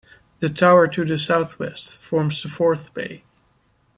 The tower to the south west forms the fourth bay.